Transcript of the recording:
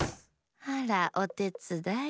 あらおてつだい？